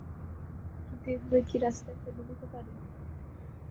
কিন্তু এভাবে কী রাস্তায় ফেলে দিতে পারি?